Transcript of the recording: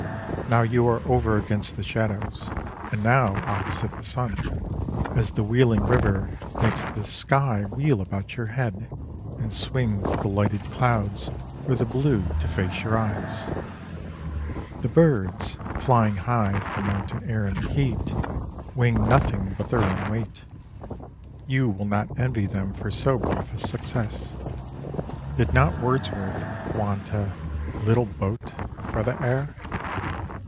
Now you are over against the shadows, and now opposite the sun, as the wheeling river makes the sky wheel about your head and swings the lighted clouds or the blue to face your eyes. The birds, flying high for mountain air in the heat, wing nothing but their own weight. You will not envy them for so brief a success. Did not Wordsworth want a "little boat" for the air?